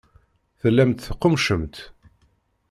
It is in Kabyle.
Tellamt teqqummcemt.